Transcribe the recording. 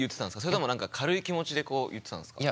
それとも何か軽い気持ちでこう言ってたんですか？